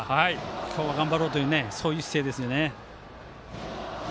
今日は頑張ろうというそういう姿勢ですよね。